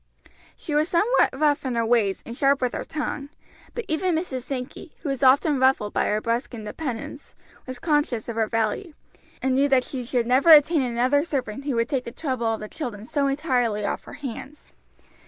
She was somewhat rough in her ways and sharp with her tongue; but even Mrs. Sankey, who was often ruffled by her brusque independence, was conscious of her value, and knew that she should never obtain another servant who would take the trouble of the children so entirely off her hands.